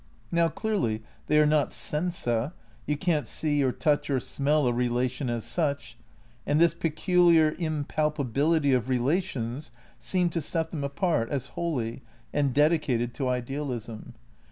Now, clearly, they are not sensa, you can't see or touch or smell a relation as such ; and this peculiar impalpability of relations seemed to set them apart as holy and dedicated to idealism.